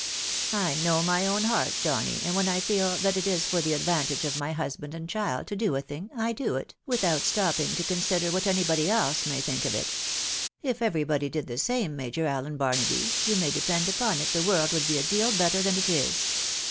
I know my own heart, Donny, and when I feel that it is for the advantage of my husband and child to do a thing, I do it, without stopping to consider what anybody else may think of it. If everybody did the same. Major Allen Barnaby, you may depend upon it the world would be a deal better than it is.